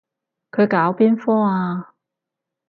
佢搞邊科啊？